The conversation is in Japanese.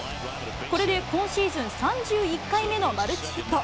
これで今シーズン３１回目のマルチヒット。